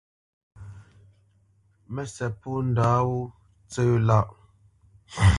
Mə́sɛ̌t pô ndǎ wó tsə̄ lâʼ.